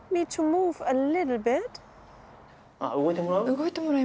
動いてもらう？